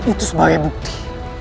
itu sebagai bukti